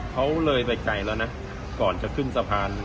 เขาเลยไปไกลแล้วนะก่อนจะขึ้นสะพาน